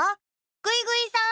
ぐいぐいさん！